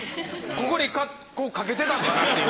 ここにこうかけてたんかなっていう。